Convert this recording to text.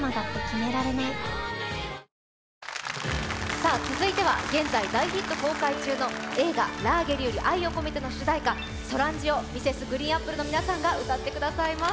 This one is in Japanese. さあ、続いては現在、大ヒット公開中の映画「ラーゲリより愛を込めて」の主題歌「Ｓｏｒａｎｊｉ」をＭｒｓ．ＧＲＥＥＮＡＰＰＬＥの皆さんが歌ってくださいます。